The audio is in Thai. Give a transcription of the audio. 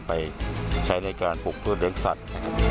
ไปใช้ในการปลูกพืชเลี้ยงสัตว์